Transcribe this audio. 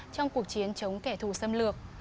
trong cuộc chiến chống kẻ thù xâm lược